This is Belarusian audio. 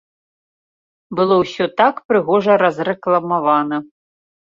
Было ўсё так прыгожа разрэкламавана.